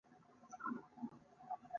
د مالټا د ګورنر خاصه توجه دې خبرې ته را اړوو.